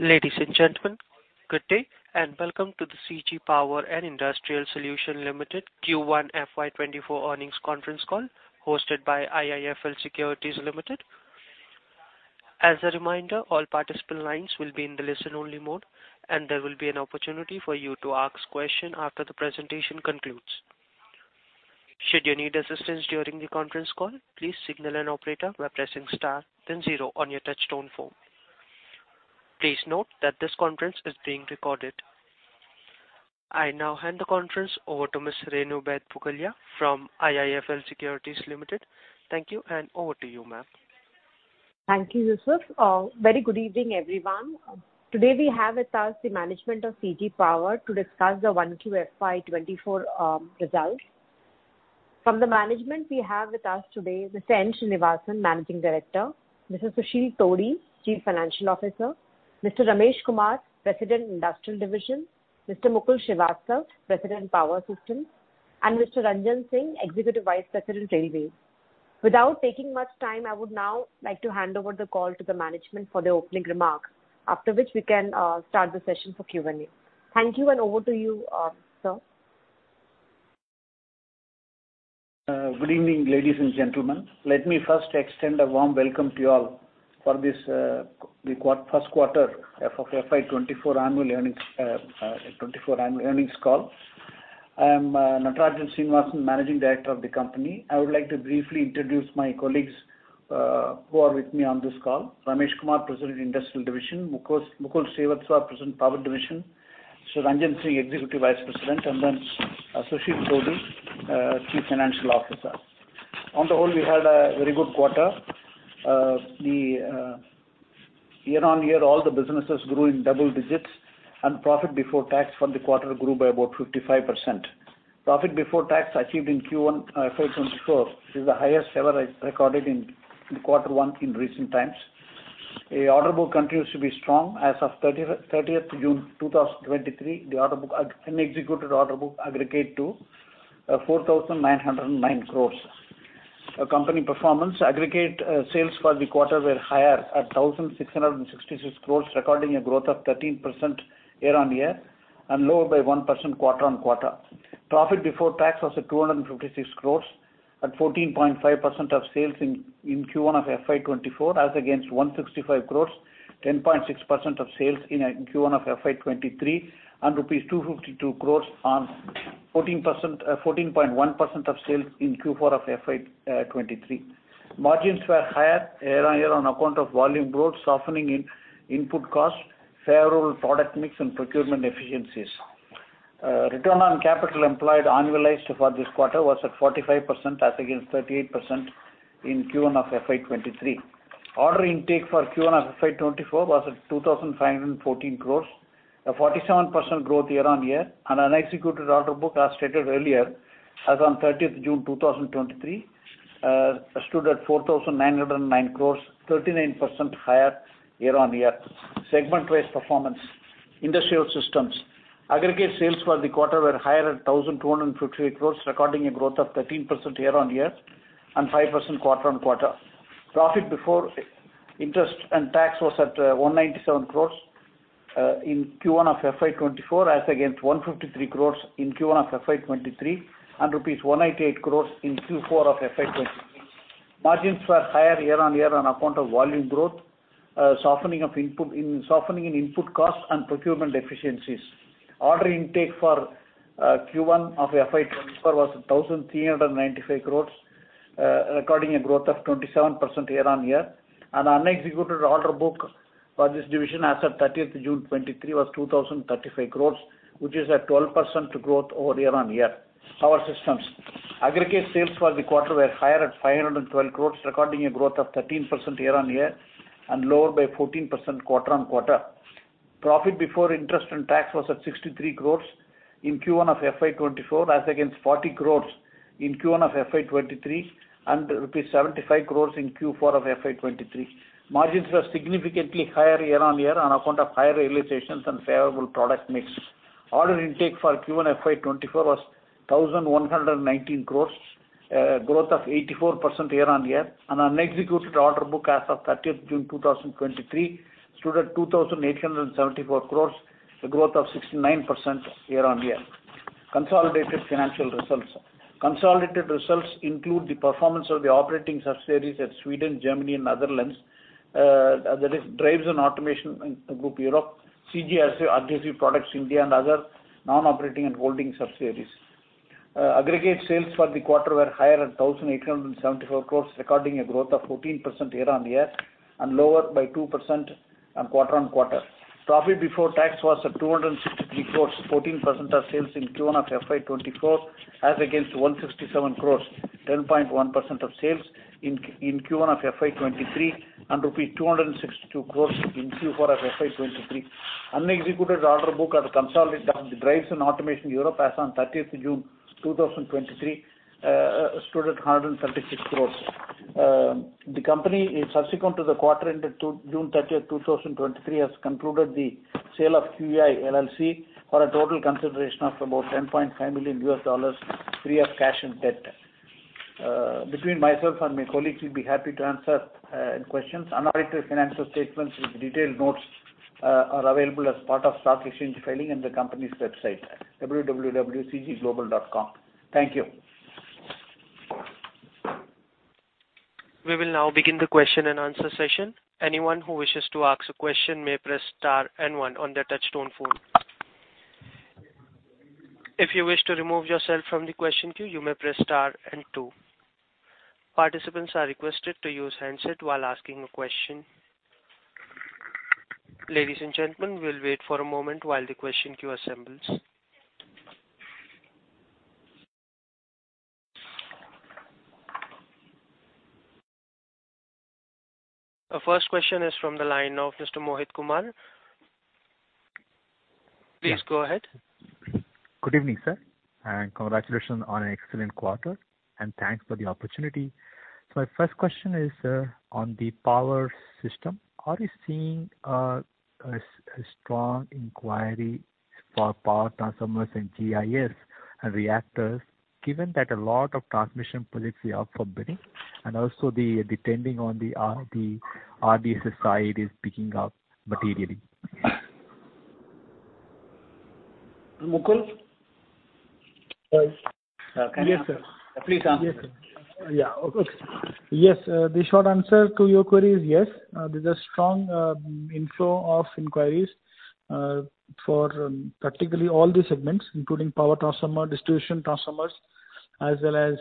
Ladies and gentlemen, good day, and welcome to the CG Power and Industrial Solutions Limited Q1 FY 2024 earnings conference call, hosted by IIFL Securities Limited. As a reminder, all participant lines will be in the listen-only mode, and there will be an opportunity for you to ask question after the presentation concludes. Should you need assistance during the conference call, please signal an operator by pressing star then zero on your touchtone phone. Please note that this conference is being recorded. I now hand the conference over to Ms. Renu Baid Pugalia from IIFL Securities Limited. Thank you, and over to you, ma'am. Thank you, Yusuf. Very good evening, everyone. Today, we have with us the management of CG Power to discuss the 1Q FY 2024 results. From the management, we have with us today, Mr. Srinivasan, Managing Director; Mr. Sushil Todi, Chief Financial Officer; Mr. Ramesh Kumar, President, Industrial Division; Mr. Mukul Srivastava, President, Power Systems; and Mr. Ranjan Singh, Executive Vice President, Railways. Without taking much time, I would now like to hand over the call to the management for the opening remarks, after which we can start the session for Q&A. Thank you, and over to you, sir. Good evening, ladies and gentlemen. Let me first extend a warm welcome to you all for this, the first quarter F of FY 2024 annual earnings call. I am Natarajan Srinivasan, Managing Director of the company. I would like to briefly introduce my colleagues who are with me on this call. Ramesh Kumar, President, Industrial Business; Mukul, Mukul Srivastava, President, Power Division; Mr. Ranjan Singh, Executive Vice President; Susheel Todi, Chief Financial Officer. On the whole, we had a very good quarter. The year-on-year, all the businesses grew in double digits, profit before tax from the quarter grew by about 55%. Profit before tax achieved in Q1 FY 2024 is the highest ever as recorded in quarter one in recent times. A order book continues to be strong. As of 30th June 2023, the order book, unexecuted order book aggregate to 4,909 crores. Company performance: aggregate sales for the quarter were higher at 1,666 crores, recording a growth of 13% year-on-year, lower by 1% quarter-on-quarter. Profit before tax was at 256 crores, at 14.5% of sales in Q1 of FY 2024, as against 165 crores, 10.6% of sales in Q1 of FY 2023, rupees 252 crores on 14.1% of sales in Q4 of FY 2023. Margins were higher year-on-year on account of volume growth, softening in input costs, favorable product mix, and procurement efficiencies. Return on capital employed annualized for this quarter was at 45%, as against 38% in Q1 of FY 2023. Order intake for Q1 of FY 2024 was at 2,514 crores, a 47% growth year-on-year, and unexecuted order book, as stated earlier, as on 30th June 2023, stood at 4,909 crores, 39% higher year-on-year. Segment wise performance. Industrial systems. Aggregate sales for the quarter were higher at 1,258 crores, recording a growth of 13% year-on-year and 5% quarter-on-quarter. Profit before interest and tax was at 197 crores in Q1 of FY 2024, as against 153 crores in Q1 of FY 2023, and rupees 188 crores in Q4 of FY 2023. Margins were higher year-on-year on account of volume growth, softening in input costs and procurement efficiencies. Order intake for Q1 of FY 2024 was 1,395 crores, recording a growth of 27% year-on-year. Unexecuted order book for this division, as of 30th June 2023, was 2,035 crores, which is a 12% growth over year-on-year. Power Systems. Aggregate sales for the quarter were higher at 512 crores, recording a growth of 13% year-on-year and lower by 14% quarter-on-quarter. Profit before interest and tax was at 63 crores in Q1 of FY 2024, as against 40 crores in Q1 of FY 2023 and rupees 75 crores in Q4 of FY 2023. Margins were significantly higher year-on-year on account of higher realizations and favorable product mix. Order intake for Q1 FY24 was 1,119 crores, growth of 84% year-on-year, and unexecuted order book as of June 30, 2023, stood at 2,874 crores, a growth of 69% year-on-year. Consolidated financial results. Consolidated results include the performance of the operating subsidiaries at Sweden, Germany, and Netherlands, that is, Drives & Automation in Group Europe, CG-RCV Products India, and other non-operating and holding subsidiaries. Aggregate sales for the quarter were higher at 1,874 crores, recording a growth of 14% year-on-year, and lower by 2% on quarter-on-quarter. Profit before tax was at 263 crores, 14% of sales in Q1 of FY 2024, as against 167 crores, 10.1% of sales in Q1 of FY 2023, and rupees 262 crores in Q4 of FY 2023. Unexecuted order book at the consolidated Drives & Automation Europe, as on thirtieth June 2023, stood at 136 crores. The company, in subsequent to the quarter ended June thirtieth, 2023, has concluded the sale of QEI, LLC for a total consideration of about $10.5 million, free of cash and debt. between myself and my colleagues, we'll be happy to answer any questions. Unaudited financial statements with detailed notes are available as part of stock exchange filing in the company's website, www.cgglobal.com. Thank you. We will now begin the question and answer session. Anyone who wishes to ask a question may press star 1 on their touchtone phone. If you wish to remove yourself from the question queue, you may press star 2. Participants are requested to use handset while asking a question. Ladies and gentlemen, we will wait for a moment while the question queue assembles. Our first question is from the line of Mr. Mohit Kumar. Please go ahead. Good evening, sir. Congratulations on an excellent quarter. Thanks for the opportunity. My first question is on the power system. Are you seeing a strong inquiry for power transformers and GIS reactors, given that a lot of transmission policy are for bidding, and also depending on the RDSS side is picking up materially? Mukul? Yes, sir. Please answer. Yes, sir. Yeah. Okay. Yes, the short answer to your query is yes. There's a strong inflow of inquiries for particularly all the segments, including power transformer, distribution transformers, as well as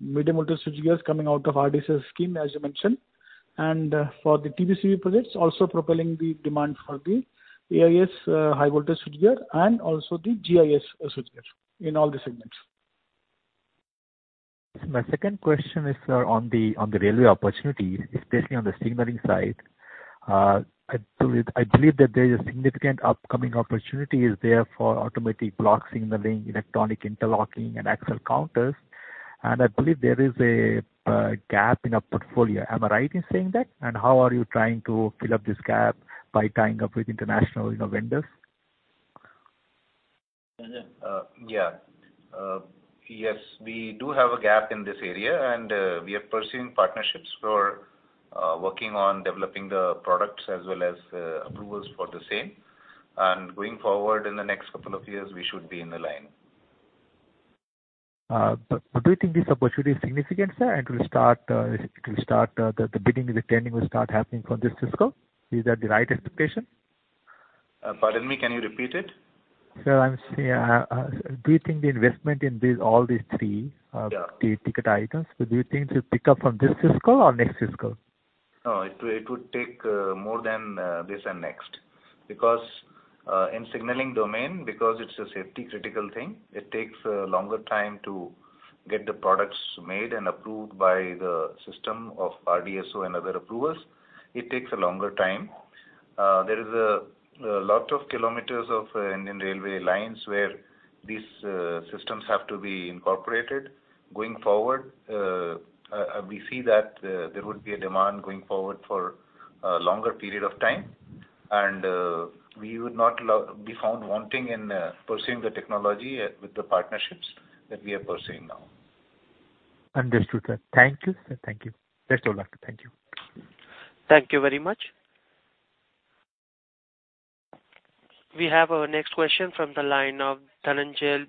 medium voltage switchgears coming out of RDSS scheme, as you mentioned. For the TBCB projects, also propelling the demand for the AIS high voltage switchgear and also the Gas-Insulated Switchgear in all the segments. My second question is on the railway opportunity, especially on the signaling side. I believe that there is a significant upcoming opportunity is there for automatic block signaling, electronic interlocking and axle counters, and I believe there is a gap in our portfolio. Am I right in saying that? How are you trying to fill up this gap by tying up with international, you know, vendors? Yeah. Yes, we do have a gap in this area, and we are pursuing partnerships for working on developing the products as well as approvals for the same. Going forward in the next couple of years, we should be in the line. Do you think this opportunity is significant, sir? It will start the bidding, the tending will start happening from this fiscal. Is that the right expectation? Pardon me. Can you repeat it? Sir, I'm saying, do you think the investment in these, all these three? Yeah. the ticket items, do you think it will pick up from this fiscal or next fiscal? No, it will, it would take more than this and next, because in signaling domain, because it's a safety critical thing, it takes a longer time to get the products made and approved by the system of RDSO and other approvals. It takes a longer time. There is a lot of kilometers of Indian railway lines, where these systems have to be incorporated. Going forward, we see that there would be a demand going forward for a longer period of time, and we would not be found wanting in pursuing the technology with the partnerships that we are pursuing now. Understood, sir. Thank you, sir. Thank you. Best of luck. Thank you. Thank you very much. We have our next question from the line of Dhananjay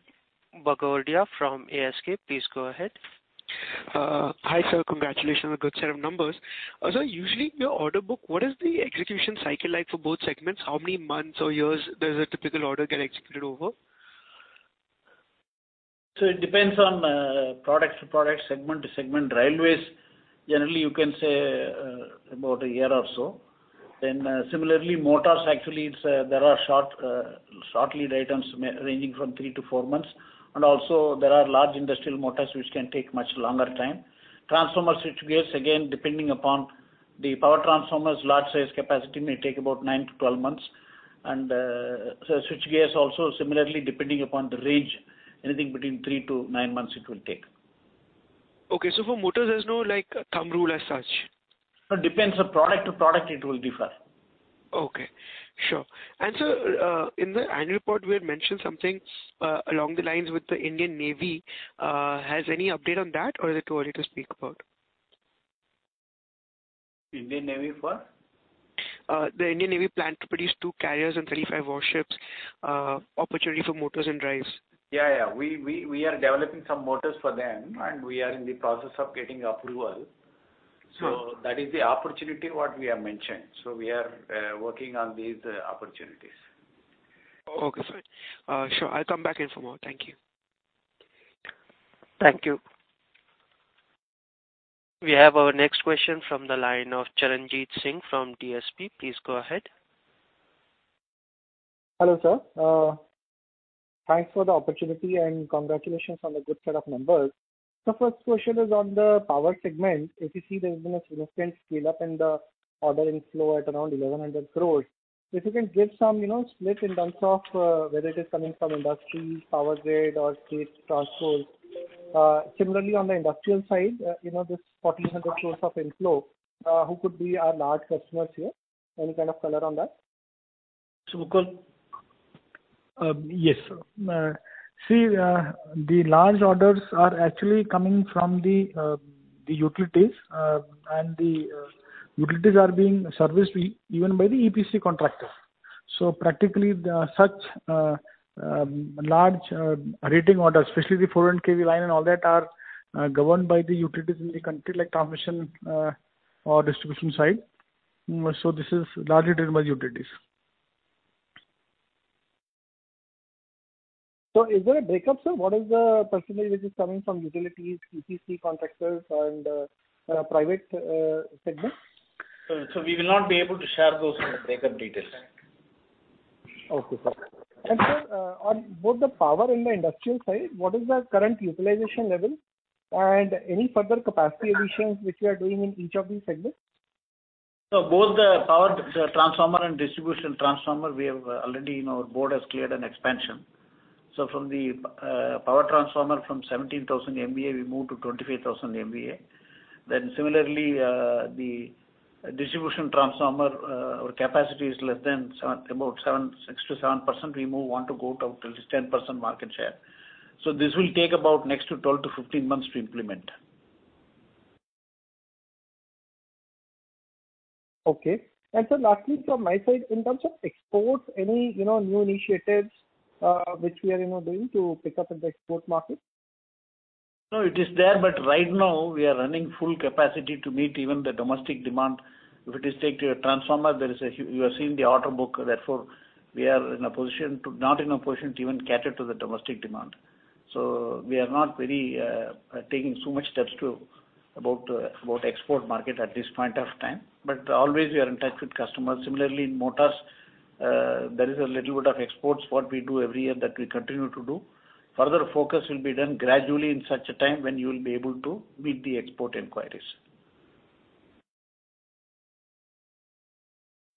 Bagaria from ASK. Please go ahead. Hi, sir. Congratulations on a good set of numbers. Sir, usually your order book, what is the execution cycle like for both segments? How many months or years does a typical order get executed over? It depends on product to product, segment to segment. Railways, generally, you can say, about 1 year or so. Similarly, motors, actually, there are short lead items may ranging from 3-4 months, and also there are large industrial motors, which can take much longer time. Transformer switchgears, again, depending upon the power transformers, large size capacity may take about 9-12 months. Switchgears also, similarly, depending upon the range, anything between 3-9 months it will take. Okay. For motors, there's no, like, thumb rule as such? No, depends on product to product, it will differ. Okay. Sure. Sir, in the annual report, we had mentioned something along the lines with the Indian Navy. Has any update on that, or is it too early to speak about? Indian Navy, for? The Indian Navy plan to produce two carriers and 35 warships, opportunity for motors and drives. Yeah, yeah. We are developing some motors for them, and we are in the process of getting approval. Sure. That is the opportunity what we have mentioned. We are working on these opportunities. Okay, sir. sure. I'll come back in for more. Thank you. Thank you. We have our next question from the line of Charanjit Singh from DSP. Please go ahead. Hello, sir. Thanks for the opportunity, and congratulations on the good set of numbers. First question is on the power segment. You see, there's been a significant scale-up in the ordering flow at around 1,100 crores. You can give some, you know, split in terms of whether it is coming from industry, Power Grid or state transport. Similarly, on the industrial side, you know, this 1,400 crores of inflow, who could be our large customers here? Any kind of color on that? Sure, Mukul? Yes, sir. See, the large orders are actually coming from the utilities, and the utilities are being serviced even by the EPC contractors. Practically, such large rating orders, especially the 400 KV line and all that, are governed by the utilities in the country, like transmission or distribution side. This is largely driven by utilities. Is there a breakup, sir? What is the % which is coming from utilities, EPC contractors and private segment? Sir, we will not be able to share those kind of breakup details. Okay, sir. Sir, on both the power and the industrial side, what is the current utilization level, and any further capacity additions which you are doing in each of these segments? Both the power, the transformer and distribution transformer, we have already in our board, has cleared an expansion. From the power transformer, from 17,000 MVA, we moved to 25,000 MVA. Similarly, the distribution transformer, our capacity is less than 7, about 7, 6-7%. We want to go up to at least 10% market share. This will take about next to 12-15 months to implement. Okay. sir, lastly, from my side, in terms of exports, any, you know, new initiatives, which we are, you know, doing to pick up in the export market? It is there, right now we are running full capacity to meet even the domestic demand. If it is take to a transformer, there is a you have seen the order book, we are in a position to, not in a position to even cater to the domestic demand. We are not very taking so much steps to about export market at this point of time, always we are in touch with customers. Similarly, in motors, there is a little bit of exports, what we do every year, that we continue to do. Further focus will be done gradually in such a time when you will be able to meet the export inquiries.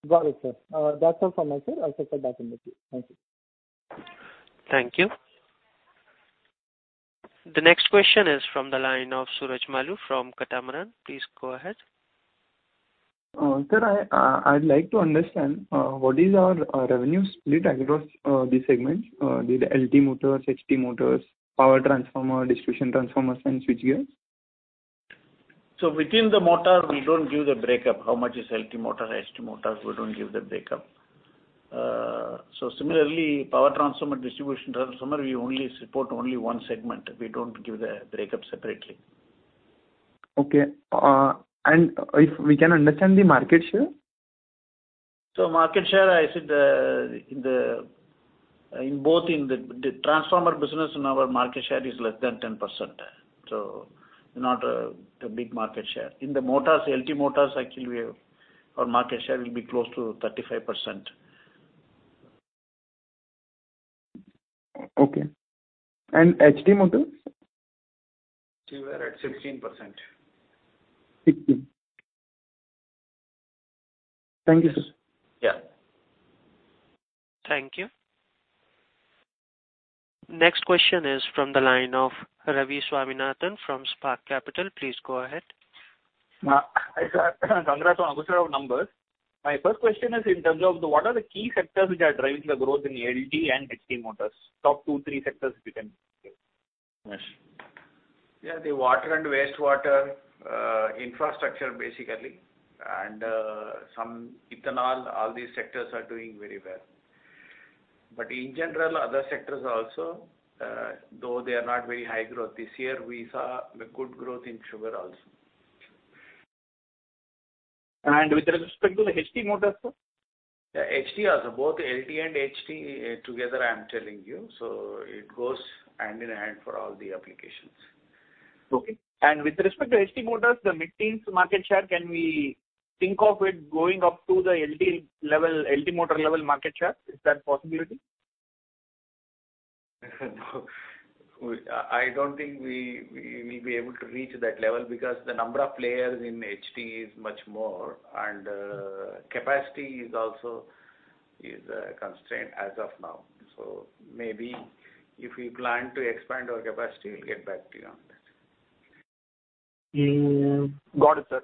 Got it, sir. That's all from my side. I'll get back in with you. Thank you. Thank you. The next question is from the line of Suraj Malu from Catamaran. Please go ahead. Sir, I'd like to understand what is our revenue split across the segment, the LT Motors, HT Motors, power transformer, distribution transformers, and switch gears? Within the motor, we don't give the breakup. How much is LT Motors, HT Motors, we don't give the breakup. Similarly, power transformer, distribution transformer, we only support only one segment. We don't give the breakup separately. Okay, if we can understand the market share? Market share, I said, in the transformer business, and our market share is less than 10%, so not a big market share. In the motors, LT motors, actually, we have our market share will be close to 35%. Okay. HT Motors? We are at 16%. 16. Thank you, sir. Yeah. Thank you. Next question is from the line of Ravi Swaminathan from Spark Capital. Please go ahead. Congrats on a good set of numbers. My first question is in terms of what are the key sectors which are driving the growth in the LT and HT motors? Top two-three sectors, if you can? Yes. Yeah, the water and wastewater, infrastructure, basically, and, some ethanol, all these sectors are doing very well. In general, other sectors also, though they are not very high growth, this year, we saw the good growth in sugar also. With respect to the HT Motors, sir? HT also. Both the LT and HT together, I am telling you. It goes hand in hand for all the applications. Okay. With respect to HT Motors, the mid-tier market share, can we think of it going up to the LT level, LT motor level market share? Is that a possibility? No, I don't think we will be able to reach that level because the number of players in HT is much more, and capacity is also a constraint as of now. Maybe if we plan to expand our capacity, we'll get back to you on that. Got it, sir.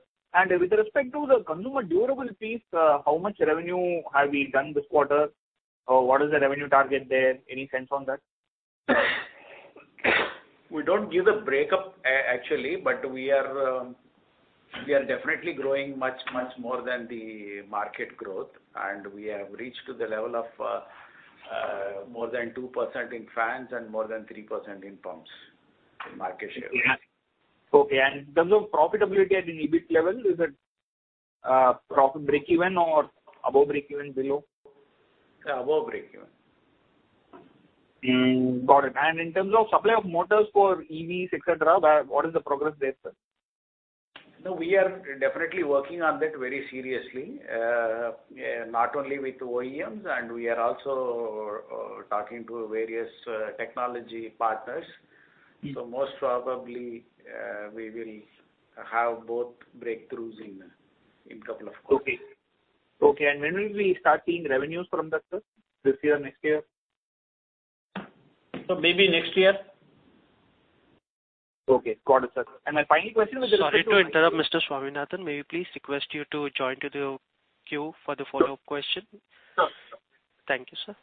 With respect to the consumer durables piece, how much revenue have we done this quarter? Or what is the revenue target there? Any sense on that? We don't give the breakup actually, but we are definitely growing much more than the market growth, and we have reached to the level of more than 2% in France and more than 3% in pumps, in market share. Okay, in terms of profitability at an EBIT level, is it profit breakeven or above breakeven, below? Above breakeven. Got it. In terms of supply of motors for EVs, et cetera, what is the progress there, sir? No, we are definitely working on that very seriously, not only with OEMs, and we are also talking to various technology partners. Mm. Most probably, we will have both breakthroughs in couple of quarters. Okay. Okay. When will we start seeing revenues from that, sir? This year, next year? Maybe next year. Okay, got it, sir. My final question is. Sorry to interrupt, Mr. Swaminathan. May we please request you to join to the queue for the follow-up question? Sure. Thank you, sir.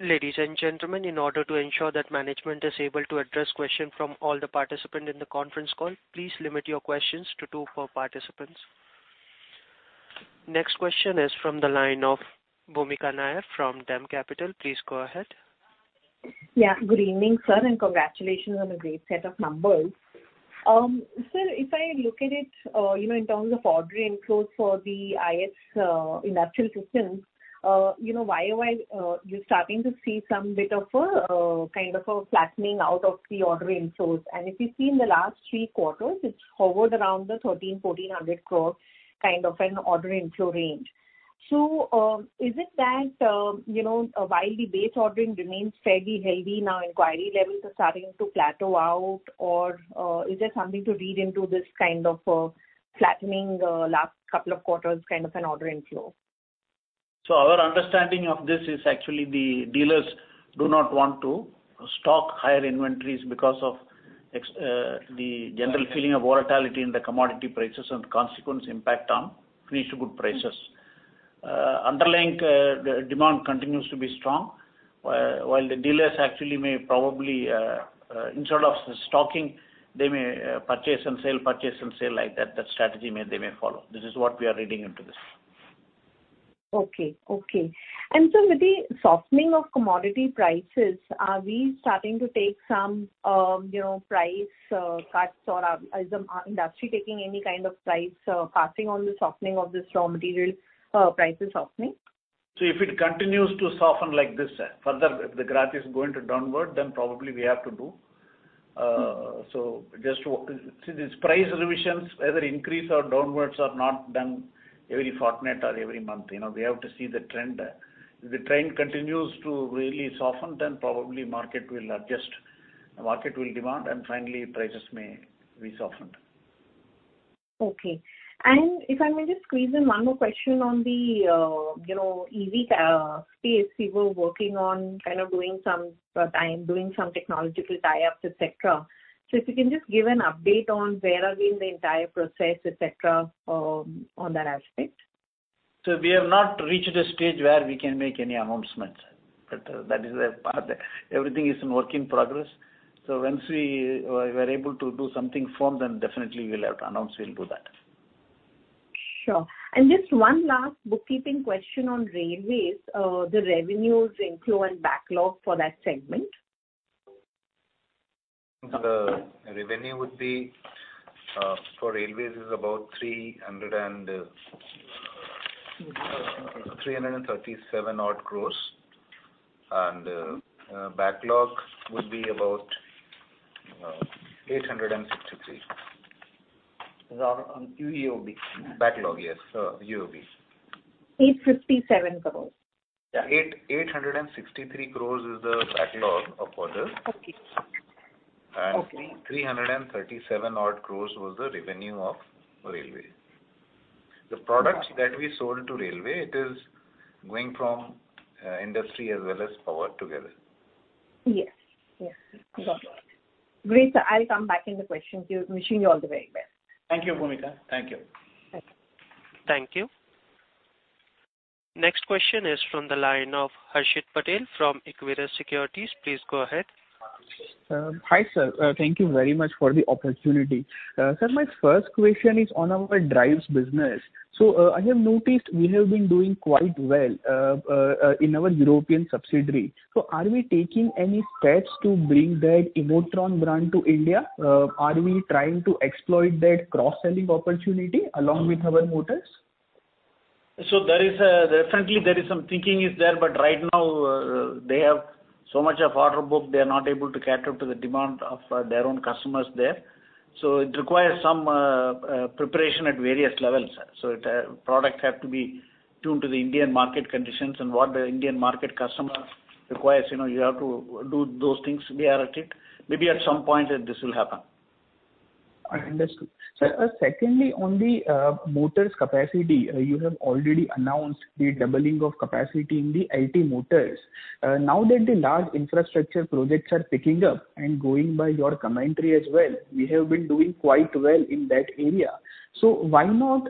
Ladies and gentlemen, in order to ensure that management is able to address question from all the participants in the conference call, please limit your questions to 2 per participants. Next question is from the line of Bhumika Nair from DAM Capital. Please go ahead. Yeah, good evening, sir, and congratulations on a great set of numbers. Sir, if I look at it, you know, in terms of order inflows for the IS, industrial systems, you know, why, you're starting to see some bit of a kind of a flattening out of the order inflows. If you see in the last three quarters, it's hovered around the 1,300-1,400 crore, kind of an order inflow range. Is it that, you know, while the base ordering remains fairly heavy, now inquiry levels are starting to plateau out, or, is there something to read into this kind of, flattening, last couple of quarters, kind of an order inflow? Our understanding of this is actually the dealers do not want to stock higher inventories because of the general feeling of volatility in the commodity prices and consequence impact on finished good prices. Underlying demand continues to be strong, while the dealers actually may probably instead of stocking, they may purchase and sale, purchase and sale, like that strategy may follow. This is what we are reading into this. Okay, okay. With the softening of commodity prices, are we starting to take some, you know, price cuts, or is the industry taking any kind of price passing on the softening of the raw material prices softening? If it continues to soften like this, further, if the graph is going to downward, then probably we have to do. See, these price revisions, whether increase or downwards, are not done every fortnight or every month, you know, we have to see the trend. If the trend continues to really soften, then probably market will adjust, market will demand, and finally prices may be softened. Okay. If I may just squeeze in one more question on the, you know, EV space, we were working on kind of doing some technological tie-ups, et cetera. If you can just give an update on where are we in the entire process, et cetera, on that aspect? We have not reached a stage where we can make any announcements, but that is a part. Everything is a work in progress, once we're able to do something firm, definitely we will have to announce, we'll do that. Sure. Just one last bookkeeping question on railways, the revenues inflow and backlog for that segment. The revenue would be for railways is about 337 odd crores. Backlog would be about 863 crores. These are on UOB. Backlog, yes, UOB. 857 crores? Yeah, 863 crores is the backlog of orders. Okay. 337 odd crores was the revenue of railway. The products that we sold to railway, it is going from industry as well as power together. Yes. Yes, got it. Great, sir. I'll come back in the questions. Wishing you all the very best. Thank you, Bhumika. Thank you. Okay. Thank you. Next question is from the line of Harshit Patel from Equirus Securities. Please go ahead. Hi, sir. Thank you very much for the opportunity. Sir, my first question is on our Drives business. I have noticed we have been doing quite well in our European subsidiary. Are we taking any steps to bring that Emotron brand to India? Are we trying to exploit that cross-selling opportunity along with our motors? Definitely, there is some thinking is there, but right now, they have so much of order book, they are not able to cater to the demand of their own customers there. It requires some preparation at various levels. The products have to be tuned to the Indian market conditions and what the Indian market customer requires, you know, you have to do those things, we are at it. Maybe at some point, this will happen. I understand. Sir, secondly, on the motors capacity, you have already announced the doubling of capacity in the LT Motors. Now that the large infrastructure projects are picking up, and going by your commentary as well, we have been doing quite well in that area. Why not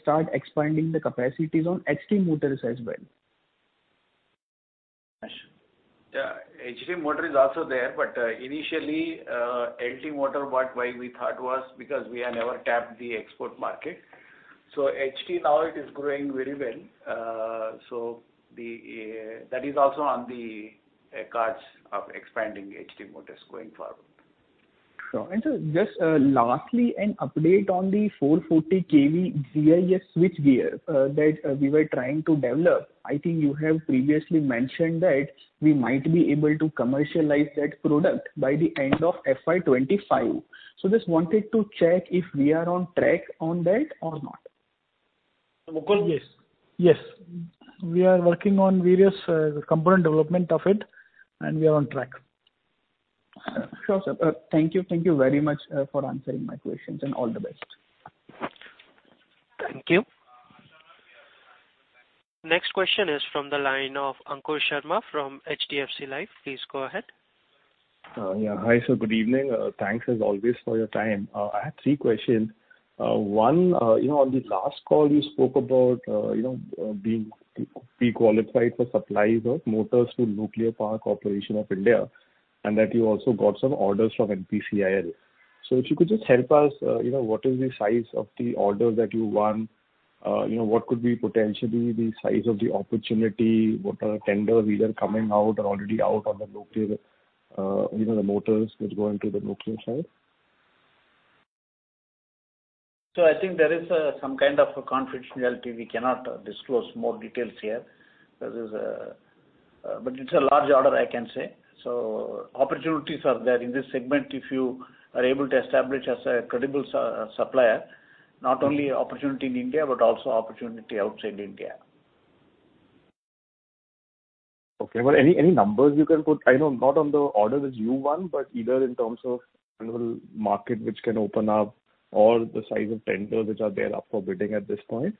start expanding the capacities on HT Motors as well? HT Motor is also there, initially, HT Motor, what, why we thought was because we had never tapped the export market. HT now it is growing very well, that is also on the cards of expanding HT Motors going forward. Sure. Lastly, an update on the 440 kV Gas-Insulated Switchgear that we were trying to develop. I think you have previously mentioned that we might be able to commercialize that product by the end of FY 25. Just wanted to check if we are on track on that or not? Of course, yes. Yes, we are working on various component development of it, and we are on track. Sure, sir. Thank you very much for answering my questions. All the best. Thank you. Next question is from the line of Ankur Sharma from HDFC Life. Please go ahead. Yeah. Hi, sir, good evening. Thanks as always for your time. I have three questions. One, you know, on the last call you spoke about, you know, being pre-qualified for supplies of motors to Nuclear Power Corporation of India, and that you also got some orders from NPCIL. If you could just help us, you know, what is the size of the order that you won? You know, what could be potentially the size of the opportunity? What are the tender either coming out or already out on the nuclear, you know, the motors, which go into the nuclear side? I think there is some kind of a confidentiality. We cannot disclose more details here. It's a large order, I can say. Opportunities are there in this segment, if you are able to establish as a credible supplier, not only opportunity in India, but also opportunity outside India. Okay. Any, any numbers you can put? I know not on the order that you won, but either in terms of general market which can open up or the size of tenders which are there up for bidding at this point.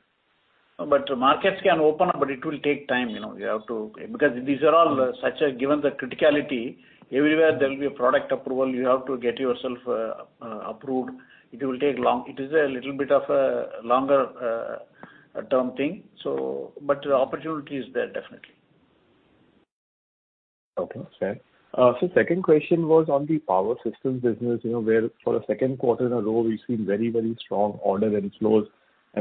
Markets can open up, but it will take time, you know. These are all given the criticality, everywhere there will be a product approval, you have to get yourself approved. It will take long. It is a little bit of a longer term thing. The opportunity is there, definitely. Okay, fair. Second question was on the power systems business, you know, where for the second quarter in a row, we've seen very, very strong order inflows.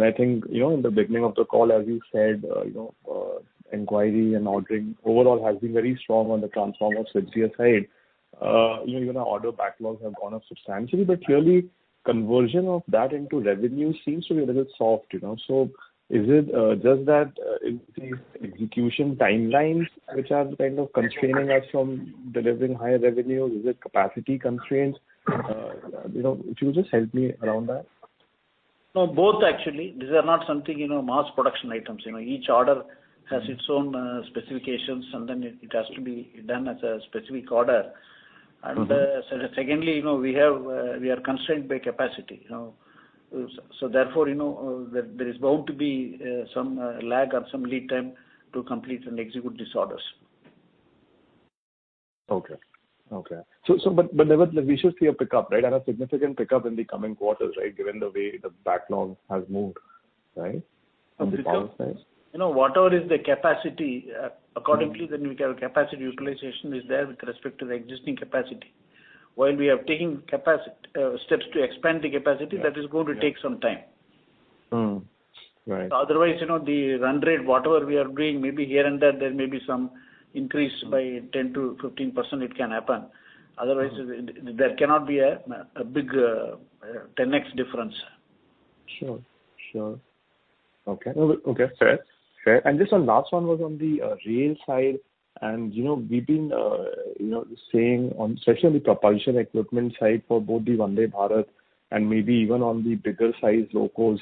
I think, you know, in the beginning of the call, as you said, you know, inquiry and ordering overall has been very strong on the transformer side. You know, even our order backlogs have gone up substantially, but clearly conversion of that into revenue seems to be a little soft, you know. Is it just that the execution timelines which are kind of constraining us from delivering higher revenue? Is it capacity constraints? You know, if you'll just help me around that. No, both actually. These are not something, you know, mass production items. You know, each order has its own specifications, and then it has to be done as a specific order. Mm-hmm. Secondly, you know, we have, we are constrained by capacity, you know. Therefore, you know, there is going to be some lag or some lead time to complete and execute these orders. Okay. Okay. We should see a pickup, right? A significant pickup in the coming quarters, right? Given the way the backlog has moved, right, from the power side? You know, whatever is the capacity, accordingly, then we can capacity utilization is there with respect to the existing capacity. While we are taking steps to expand the capacity, that is going to take some time. Mm-hmm. Right. Otherwise, you know, the run rate, whatever we are doing, maybe here and there may be some increase by 10%-15%, it can happen. Otherwise, there cannot be a big, 10x difference. Sure. Sure. Okay. Okay, fair. Fair. Just the last one was on the rail side. You know, we've been, you know, saying on especially the propulsion equipment side for both the Vande Bharat and maybe even on the bigger size locos,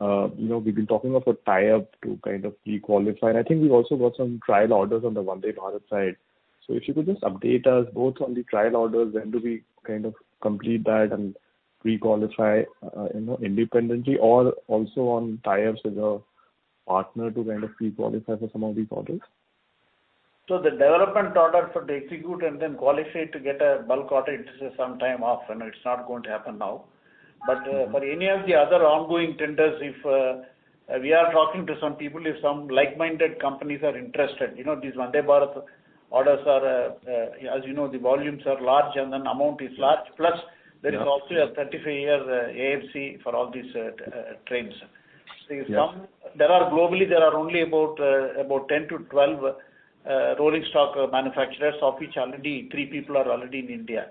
you know, we've been talking of a tie-up to kind of pre-qualify. I think we've also got some trial orders on the Vande Bharat side. If you could just update us both on the trial orders, when do we kind of complete that and pre-qualify, you know, independently or also on tie-ups with a partner to kind of pre-qualify for some of these orders? The development order for the execute and then qualify to get a bulk order, it is some time off, and it's not going to happen now. Okay. For any of the other ongoing tenders, if we are talking to some people, if some like-minded companies are interested, you know, these Vande Bharat orders are as you know, the volumes are large and then amount is large. Yeah There is also a 35-year AFC for all these trains. Yes. There are globally, there are only about 10-12 rolling stock manufacturers, of which already three people are already in India.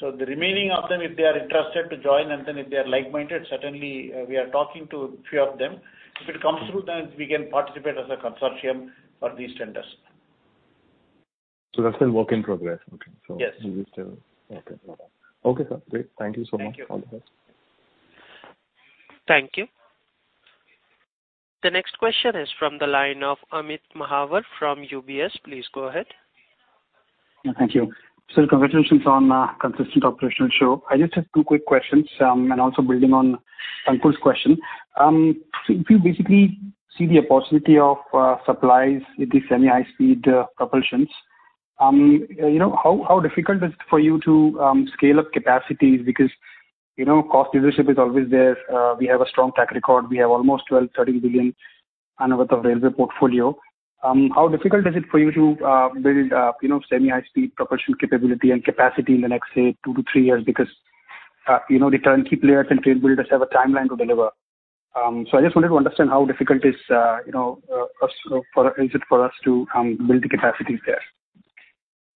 The remaining of them, if they are interested to join, and then if they are like-minded, certainly, we are talking to a few of them. If it comes through, then we can participate as a consortium for these tenders. That's in work in progress? Okay. Yes. You will still... Okay. Okay, sir. Great. Thank you so much. Thank you. Thank you. The next question is from the line of Amit Mahawar from UBS. Please go ahead. Thank you. Congratulations on consistent operational show. I just have 2 quick questions, and also building on Ankur's question. If you basically see the possibility of supplies with the semi-high speed propulsions, you know, how difficult is it for you to scale up capacities? Because, you know, cost leadership is always there. We have a strong track record. We have almost 12 billion-13 billion under the railway portfolio. How difficult is it for you to build up, you know, semi-high speed propulsion capability and capacity in the next, say, 2-3 years? Because, you know, the current key players and train builders have a timeline to deliver. I just wanted to understand how difficult is it for us to build the capacities there?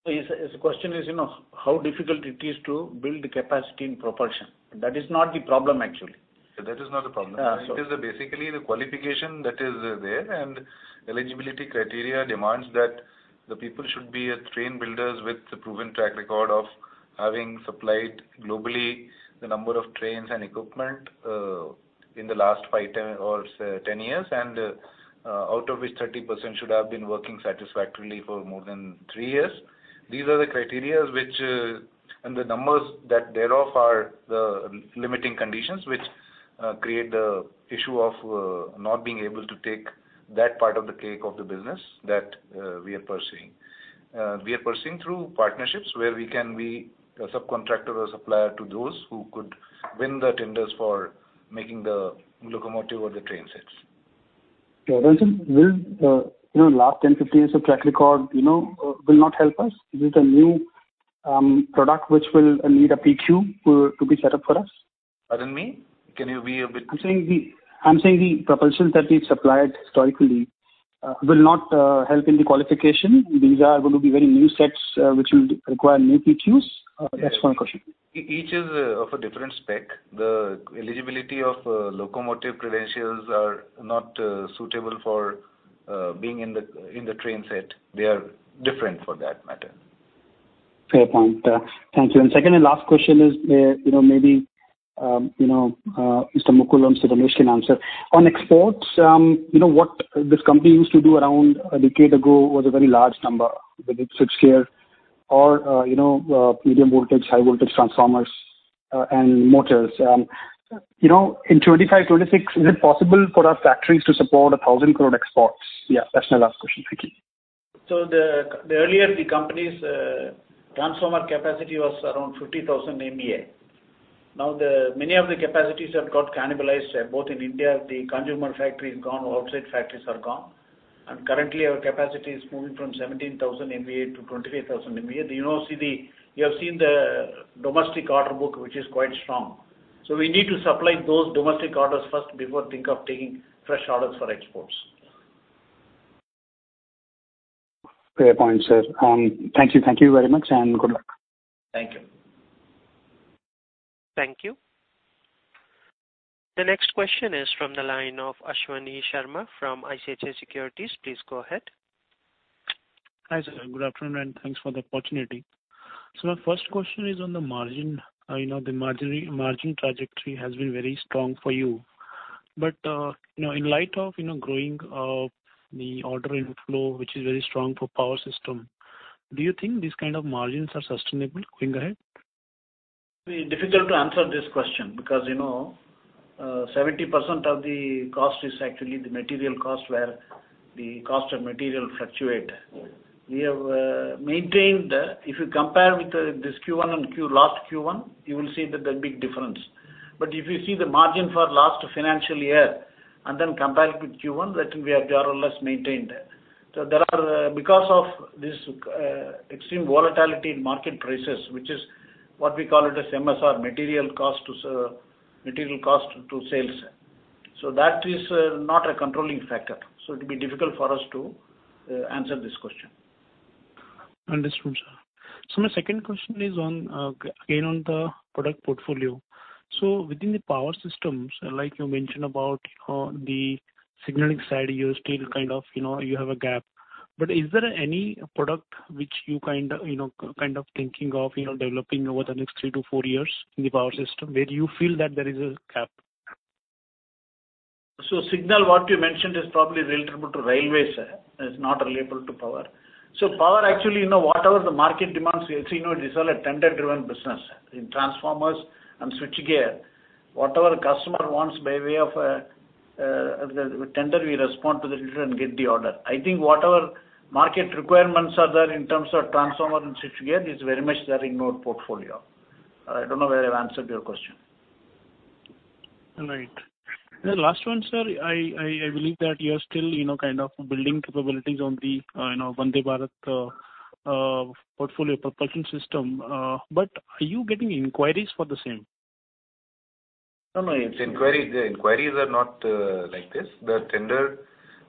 The question is, you know, how difficult it is to build the capacity in propulsion? That is not the problem, actually. That is not the problem. Yeah. It is basically the qualification that is there. Eligibility criteria demands that the people should be a train builders with a proven track record of having supplied globally the number of trains and equipment, in the last 5 time or say, 10 years. Out of which 30% should have been working satisfactorily for more than 3 years. These are the criterias which.... and the numbers that thereof are the limiting conditions, which create the issue of not being able to take that part of the cake of the business that we are pursuing. We are pursuing through partnerships where we can be a subcontractor or supplier to those who could win the tenders for making the locomotive or the train sets. Rensen, will, you know, last 10, 15 years of track record, you know, will not help us? Is it a new product which will need a PQ to be set up for us? Pardon me? Can you be a bit- I'm saying the propulsions that we've supplied historically, will not help in the qualification. These are going to be very new sets, which will require new PQs. That's one question. Each is of a different spec. The eligibility of locomotive credentials are not suitable for being in the train set. They are different for that matter. Fair point. Thank you. Second and last question is, you know, maybe, you know, Mr. Mukul or Mr. Dinesh can answer. On exports, you know, what this company used to do around a decade ago was a very large number, with its switchgear or, you know, medium voltage, high voltage transformers, and motors. You know, in 2025, 2026, is it possible for our factories to support 1,000 crore exports? Yeah, that's my last question. Thank you. The earlier the company's transformer capacity was around 50,000 MVA. Now, many of the capacities have got cannibalized, both in India, the consumer factory is gone, outside factories are gone, and currently our capacity is moving from 17,000 MVA to 23,000 MVA. You know, you have seen the domestic order book, which is quite strong. We need to supply those domestic orders first before think of taking fresh orders for exports. Fair point, sir. Thank you. Thank you very much and good luck. Thank you. Thank you. The next question is from the line of Ashwini Sharma from ICICI Securities. Please go ahead. Hi, sir. Good afternoon, and thanks for the opportunity. My first question is on the margin. You know, the margin trajectory has been very strong for you. You know, in light of, you know, growing the order inflow, which is very strong for power system, do you think these kind of margins are sustainable going ahead? Be difficult to answer this question because, you know, 70% of the cost is actually the material cost, where the cost of material fluctuate. We have maintained, if you compare with this Q1 and last Q1, you will see that there's big difference. If you see the margin for last financial year and then compare it with Q1, that will be more or less maintained. There are because of this extreme volatility in market prices, which is what we call it as MSR, material cost to sales. That is not a controlling factor. It'll be difficult for us to answer this question. Understood, sir. My second question is on, again, on the product portfolio. Within the power systems, like you mentioned about, the signaling side, you're still kind of, you know, you have a gap. Is there any product which you kind of, you know, thinking of, you know, developing over the next three to four years in the power system, where you feel that there is a gap? Signal, what you mentioned is probably relatable to railways, sir. It's not relatable to power. Power, actually, you know, whatever the market demands, you know, this is all a tender-driven business. In transformers and switchgear, whatever customer wants by way of a tender, we respond to the tender and get the order. I think whatever market requirements are there in terms of transformer and switchgear is very much there in our portfolio. I don't know whether I've answered your question. Right. The last one, sir, I believe that you are still, you know, kind of building capabilities on the, you know, Vande Bharat portfolio propulsion system. Are you getting inquiries for the same? No, no, inquiries, the inquiries are not like this. The tender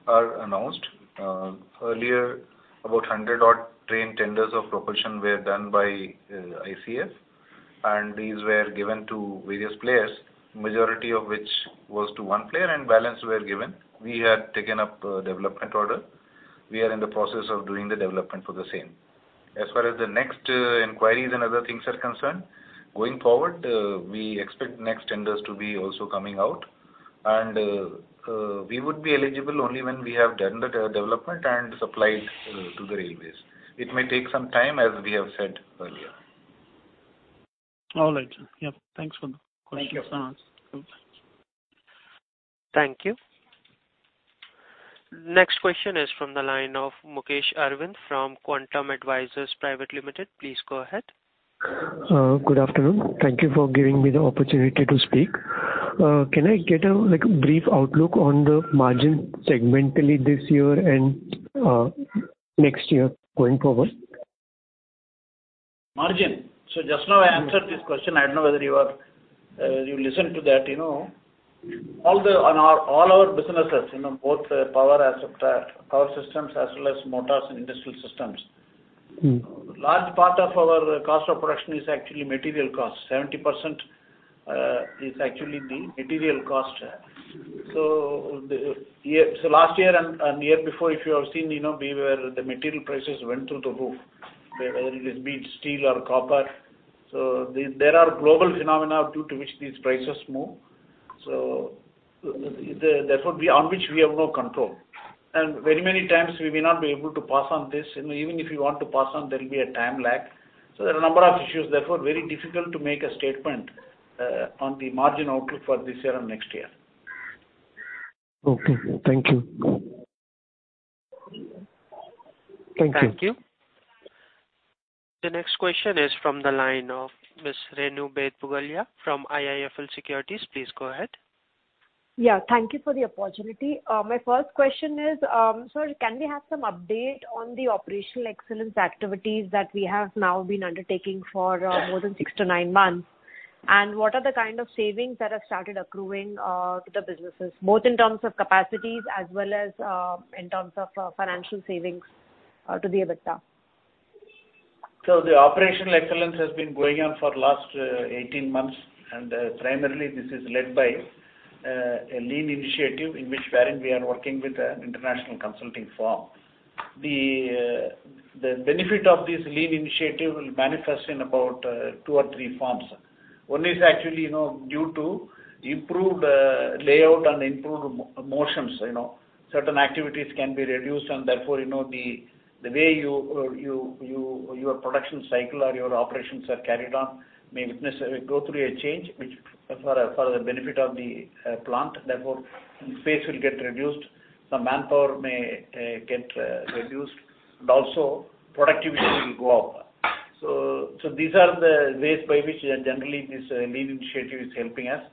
are announced. Earlier, about 100 odd train tenders of propulsion were done by ICF, and these were given to various players, majority of which was to one player, and balance were given. We had taken up a development order. We are in the process of doing the development for the same. As far as the next inquiries and other things are concerned, going forward, we expect next tenders to be also coming out, and we would be eligible only when we have done the development and supplied to the railways. It may take some time, as we have said earlier. All right, sir. Yep, thanks for the questions asked. Thank you. Thank you. Next question is from the line of Arvind Chari, from Quantum Advisors Private Limited. Please go ahead. Good afternoon. Thank you for giving me the opportunity to speak. Can I get a, like, a brief outlook on the margin segmentally this year and, next year, going forward? Margin. Just now I answered this question. I don't know whether you listened to that, you know. All our businesses, you know, both power as well as power systems, as well as motors and industrial systems. Mm-hmm. Large part of our cost of production is actually material cost. 70% is actually the material cost. Last year and year before, if you have seen, you know, the material prices went through the roof, whether it is be it steel or copper. There are global phenomena due to which these prices move. Therefore, we, on which we have no control. Very many times, we may not be able to pass on this, and even if you want to pass on, there will be a time lag. There are a number of issues, therefore, very difficult to make a statement on the margin outlook for this year or next year. Okay, thank you. Thank you. Thank you. The next question is from the line of Ms. Renu Baid Pugalia from IIFL Securities. Please go ahead. Yeah, thank you for the opportunity. My first question is, can we have some update on the operational excellence activities that we have now been undertaking for more than 6-9 months? What are the kind of savings that have started accruing to the businesses, both in terms of capacities as well as in terms of financial savings to the EBITDA? The operational excellence has been going on for last 18 months. Primarily this is led by a Lean initiative, in which wherein we are working with an international consulting firm. The benefit of this Lean initiative will manifest in about two or three forms. One is actually, you know, due to improved layout and improved motions, you know, certain activities can be reduced. Therefore, you know, the way you, your production cycle or your operations are carried on, may go through a change, which for the benefit of the plant. Space will get reduced, some manpower may get reduced. Also productivity will go up. These are the ways by which generally this Lean initiative is helping us.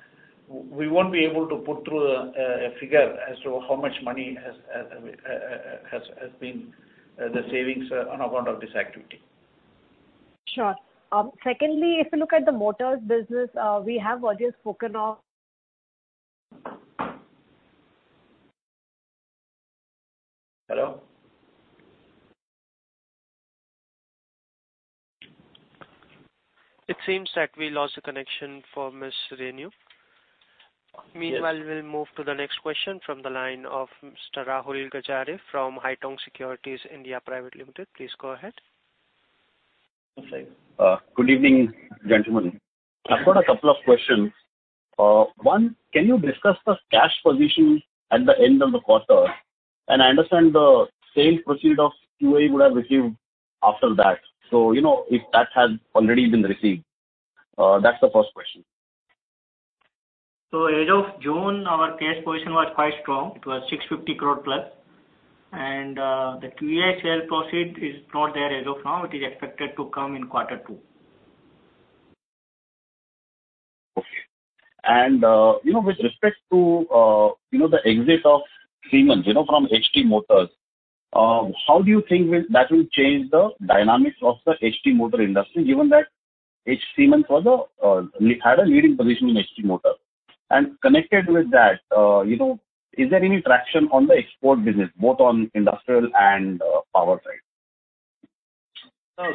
We won't be able to put through a figure as to how much money has been the savings on account of this activity. Sure. Secondly, if you look at the motors business, we have already spoken. Hello? It seems that we lost the connection for Ms. Renu. Yes. Meanwhile, we'll move to the next question from the line of Mr. Rahul Gajare from Haitong Securities India Private Limited. Please go ahead. Good evening, gentlemen. I've got a couple of questions. One, can you discuss the cash position at the end of the quarter? I understand the same proceed of QA would have received after that. You know, if that has already been received. That's the first question. As of June, our cash position was quite strong. It was 650 crore plus, and the QA sale proceed is not there as of now. It is expected to come in quarter two. Okay. You know, with respect to, you know, the exit of Siemens, you know, from HT Motors, how do you think that will change the dynamics of the HT Motor industry, given that each Siemens was a, had a leading position in HT Motor? Connected with that, you know, is there any traction on the export business, both on industrial and, power trade?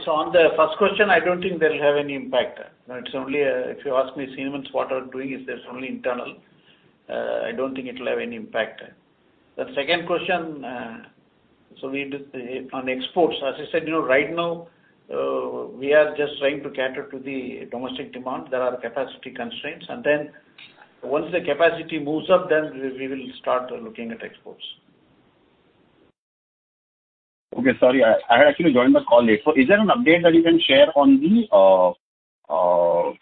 On the first question, I don't think they'll have any impact. It's only, if you ask me, Siemens, what are doing, is there's only internal. I don't think it'll have any impact. The second question, we did the, on exports, as I said, you know, right now, we are just trying to cater to the domestic demand. There are capacity constraints, and then once the capacity moves up, then we will start looking at exports. Okay, sorry, I actually joined the call late. Is there an update that you can share on the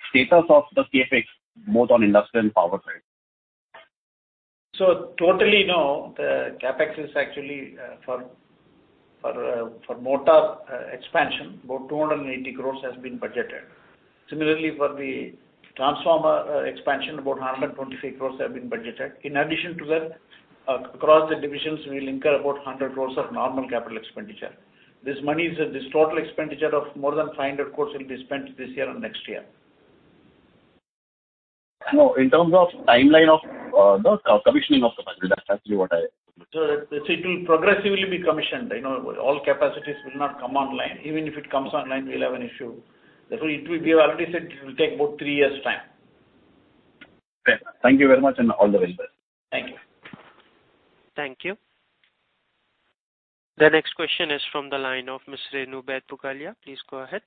status of the CapEx, both on industrial and power trade? Totally, no, the CapEx is actually for motor expansion, about 280 crores has been budgeted. Similarly, for the transformer expansion, about 125 crores have been budgeted. In addition to that, across the divisions, we'll incur about 100 crores of normal capital expenditure. This total expenditure of more than 500 crores will be spent this year and next year. No, in terms of timeline of, the commissioning of the project, that's actually what. It will progressively be commissioned. You know, all capacities will not come online. Even if it comes online, we'll have an issue. Therefore, we have already said it will take about three years time. Okay. Thank you very much, and all the best. Thank you. Thank you. The next question is from the line of Ms. Renu Baid Pugalia. Please go ahead.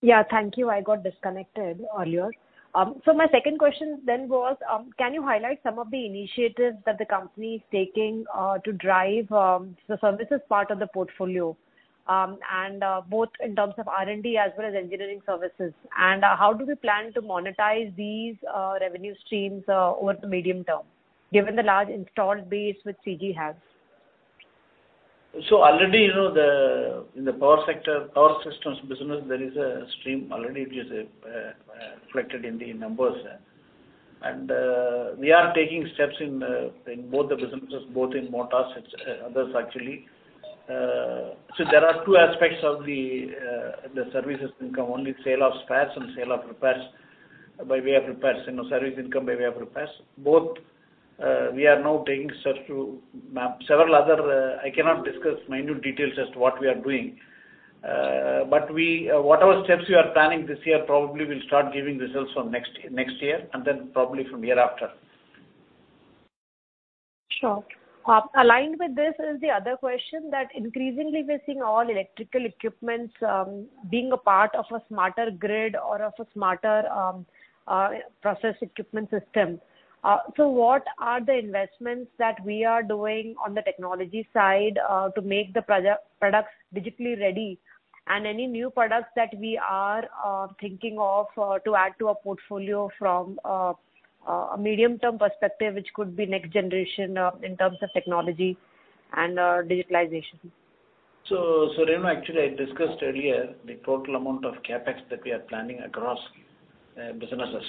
Yeah, thank you. I got disconnected earlier. My second question then was, can you highlight some of the initiatives that the company is taking to drive the services part of the portfolio? Both in terms of R&D as well as engineering services, and how do we plan to monetize these revenue streams over the medium term, given the large installed base which CG has? Already, you know, the, in the power sector, power systems business, there is a stream already which is reflected in the numbers. We are taking steps in both the businesses, both in motors and others, actually. There are two aspects of the services income, one is sale of spares and sale of repairs, by way of repairs, you know, service income by way of repairs. Both, we are now taking steps to map several other. I cannot discuss minute details as to what we are doing. We, whatever steps we are planning this year, probably will start giving results from next year, and then probably from year after. Sure. Aligned with this is the other question, that increasingly we're seeing all electrical equipments being a part of a smarter grid or of a smarter process equipment system. What are the investments that we are doing on the technology side to make the products digitally ready, and any new products that we are thinking of to add to our portfolio from a medium-term perspective, which could be next generation in terms of technology and digitalization? Renu, actually, I discussed earlier the total amount of CapEx that we are planning across businesses.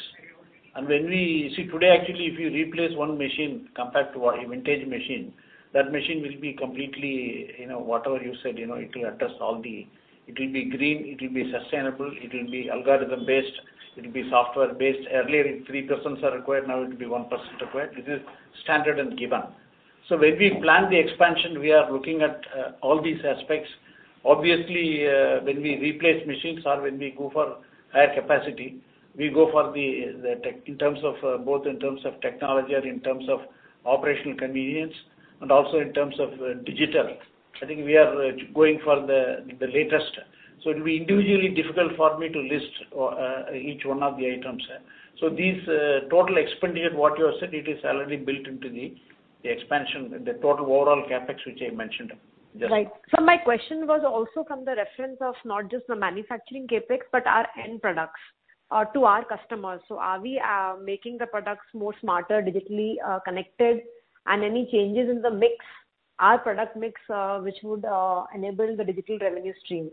When we See, today, actually, if you replace one machine compared to a vintage machine, that machine will be completely, you know, whatever you said, you know, it will address all the. It will be green, it will be sustainable, it will be algorithm-based, it will be software-based. Earlier, if three persons are required, now it will be one person required. It is standard and given. When we plan the expansion, we are looking at all these aspects. Obviously, when we replace machines or when we go for higher capacity, we go for the tech, in terms of both in terms of technology and in terms of operational convenience, and also in terms of digital. I think we are going for the latest. It will be individually difficult for me to list each one of the items. These total expenditure, what you have said, it is already built into the expansion, the total overall CapEx, which I mentioned. Right. My question was also from the reference of not just the manufacturing CapEx, but our end products to our customers. Are we making the products more smarter, digitally connected, and any changes in the mix, our product mix, which would enable the digital revenue stream?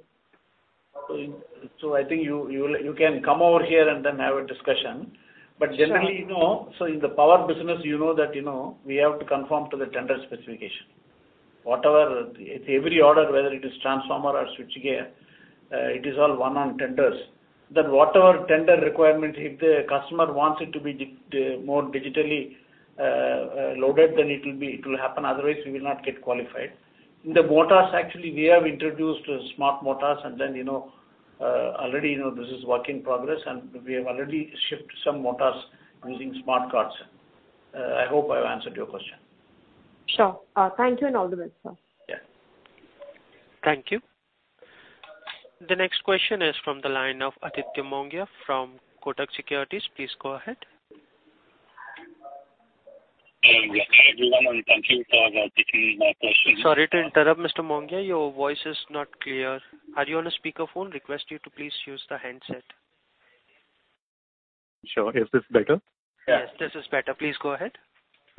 I think you will, you can come over here and then have a discussion. Sure. Generally, you know, so in the power business, you know that, you know, we have to conform to the tender specification. Whatever, every order, whether it is transformer or switching gear, it is all won on tenders. Whatever tender requirement, if the customer wants it to be more digitally loaded, then it will be, it will happen, otherwise, we will not get qualified. In the motors, actually, we have introduced smart motors, and then, you know, already, you know, this is work in progress, and we have already shipped some motors using smart cards. I hope I have answered your question. Sure. Thank you and all the best, sir. Yeah. Thank you. The next question is from the line of Aditya Mongia from Kotak Securities. Please go ahead. Good morning, thank you for taking my question. Sorry to interrupt, Mr. Mongia. Your voice is not clear. Are you on a speaker phone? Request you to please use the handset. Sure. Is this better? Yes, this is better. Please go ahead.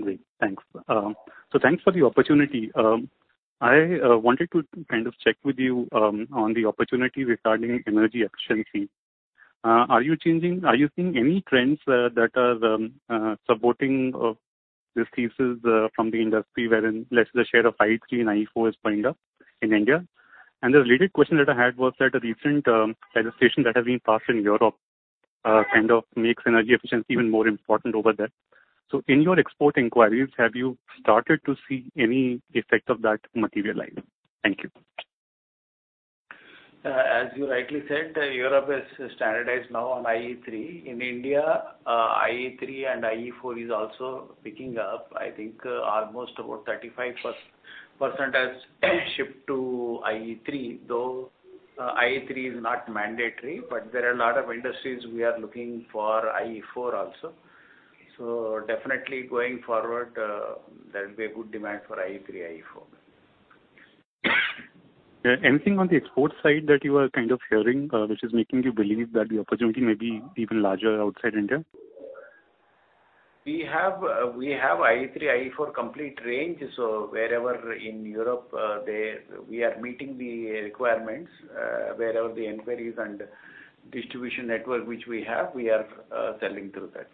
Great. Thanks. Thanks for the opportunity. I wanted to kind of check with you on the opportunity regarding energy efficiency. Are you seeing any trends that are supporting this thesis from the industry, wherein less the share of IE3 and IE4 is going up in India? The related question that I had was that a recent legislation that has been passed in Europe kind of makes energy efficiency even more important over there. In your export inquiries, have you started to see any effect of that materializing? Thank you. As you rightly said, Europe is standardized now on IE3. In India, IE3 and IE4 is also picking up. I think, almost about 35% shift to IE3, though, IE3 is not mandatory, but there are a lot of industries we are looking for IE4 also. Definitely going forward, there will be a good demand for IE3, IE4. Yeah. Anything on the export side that you are kind of hearing, which is making you believe that the opportunity may be even larger outside India? We have IE3, IE4 complete range. Wherever in Europe, they, we are meeting the requirements, wherever the inquiries and distribution network which we have, we are selling through that.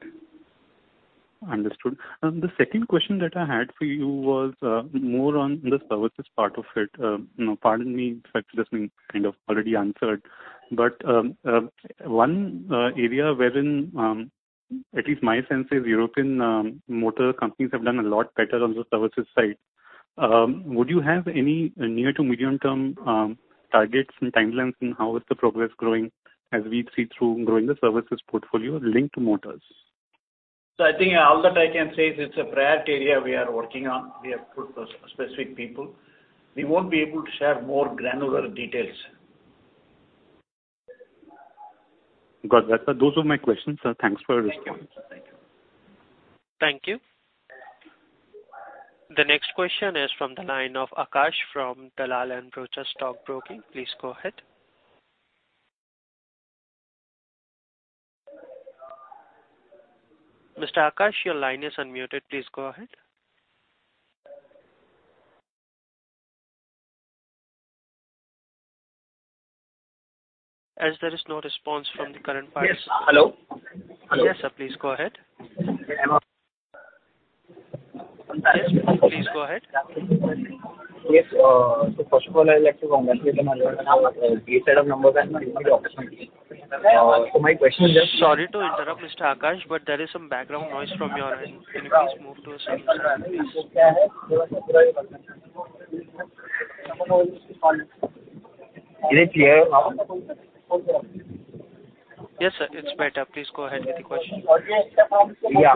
Understood. The second question that I had for you was, more on the services part of it. pardon me, in fact, this been kind of already answered, but, one, area wherein, at least my sense is European, motor companies have done a lot better on the services side. Would you have any near to medium-term, targets and timelines, and how is the progress growing as we see through growing the services portfolio linked to motors? I think all that I can say is it's a priority area we are working on. We have put specific people. We won't be able to share more granular details. Got that, sir. Those were my questions, sir. Thanks for your response. Thank you. Thank you. The next question is from the line of Akash from Dalal and Broacha Stock Broking. Please go ahead. Mr. Akash, your line is unmuted. Please go ahead. As there is no response from the current party- Yes. Hello? Yes, sir, please go ahead. Yeah, I'm... Yes, please go ahead. Yes, first of all, I'd like to congratulate on the set of numbers and the performance. My question is- Sorry to interrupt, Mr. Akash, but there is some background noise from your end. Can you please move to a silent area? Is it clear now? Yes, sir, it's better. Please go ahead with the question. Yeah.